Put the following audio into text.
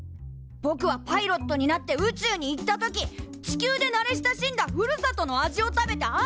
ぼくはパイロットになって宇宙に行った時地球で慣れ親しんだふるさとの味を食べて安心したい！